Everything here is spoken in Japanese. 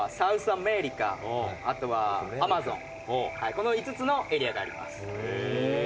この５つのエリアがあります。